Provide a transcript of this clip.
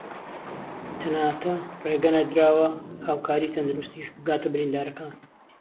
تەناتە رێگە نەدراوە هاوکاری تەندروستیش بگاتە بریندارەکان